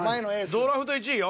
ドラフト１位よ。